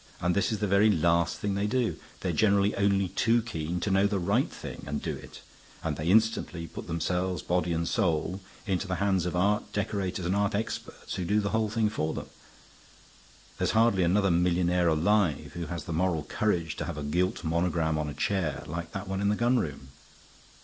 And this is the very last thing they do. They're generally only too keen to know the right thing and do it; and they instantly put themselves body and soul into the hands of art decorators and art experts, who do the whole thing for them. There's hardly another millionaire alive who has the moral courage to have a gilt monogram on a chair like that one in the gun room.